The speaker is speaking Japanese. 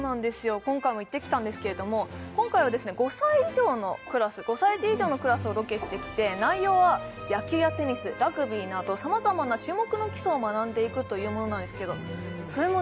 今回も行ってきたんですけれども今回はですね５歳児以上のクラスをロケしてきて内容は野球やテニスラグビーなど様々な種目の基礎を学んでいくというものなんですけどそれもね